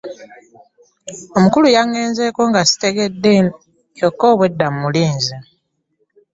Omukulu yaŋŋenzeeko nga ssitegedde kyokka obwedda mmulinze.